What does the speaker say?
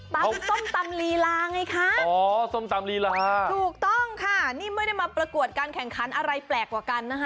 ส้มตำลีลาไงคะอ๋อส้มตำลีลาถูกต้องค่ะนี่ไม่ได้มาประกวดการแข่งขันอะไรแปลกกว่ากันนะคะ